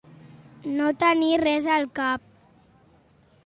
No tenir res al cap.